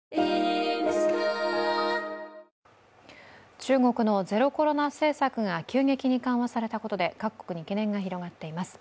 中国のゼロコロナ政策が急激に緩和されたことで各国に懸念が広がっています。